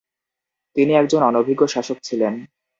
তিনি একজন অনভিজ্ঞ শাসক ছিলেন।